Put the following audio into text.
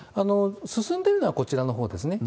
進んでるのはこちらのほうですね。